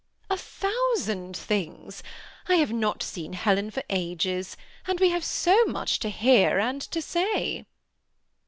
"A thousand things. I have not seen Helen for ages ; and we have so much to hear and to say."